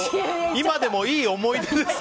今でもいい思い出です。